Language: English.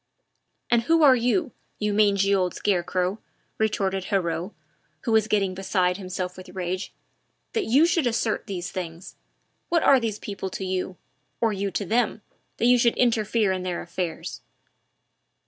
"And who are you you mangy old scarecrow?" retorted Heriot, who was getting beside himself with rage, "that you should assert these things? What are those people to you, or you to them, that you should interfere in their affairs?"